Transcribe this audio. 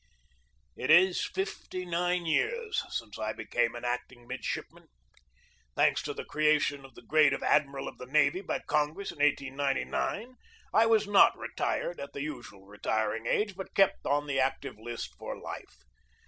It is fifty nine years since I became an acting midshipman. Thanks to the creation of the grade of admiral of the navy by Congress in 1899, I was not retired at the usual retiring age, but kept on the active list for life.